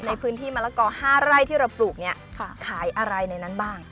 ในพื้นที่มะละกอ๕ไร่ที่เราปลูกเนี่ยขายอะไรในนั้นบ้าง